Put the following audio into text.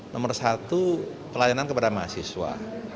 nomor satu pelayanan kepada mahasiswa